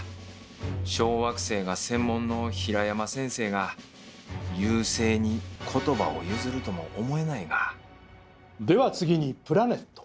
小惑星が専門の平山先生が「遊星」に言葉を譲るとも思えないがでは次に「プラネット」。